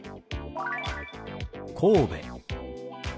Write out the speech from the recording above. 「神戸」。